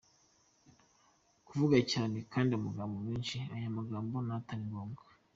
Kuvuga cyane kandi amagambo menshi aya ngombwa n’atari ngombwa.